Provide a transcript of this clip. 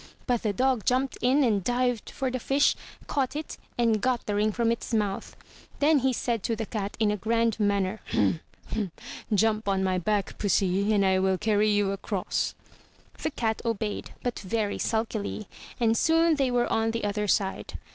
But the dog jumped in, and dived for the fish, caught it and got the ring from its mouth. Then he said to the cat in a grand manner, "Jump on my back, pussy, and I will carry you across.*' The cat obeyed, but very sulkily; and soon they were on the other side.